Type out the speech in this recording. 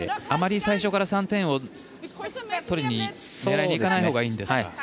あまり最初から３点を狙いにいかないほうがいいんですか。